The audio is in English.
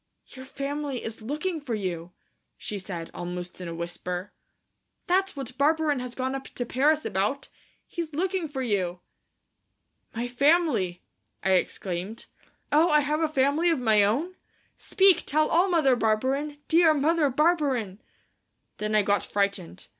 "Your family is looking for you," she said, almost in a whisper. "That's what Barberin has gone up to Paris about. He's looking for you." "My family," I exclaimed. "Oh, have I a family of my own? Speak, tell all, Mother Barberin, dear Mother Barberin!" Then I got frightened.